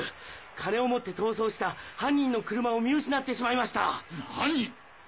金を持って逃走した犯人の車を見失ってしまいました！